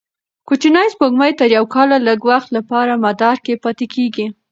کوچنۍ سپوږمۍ تر یوه کال لږ وخت لپاره مدار کې پاتې کېږي.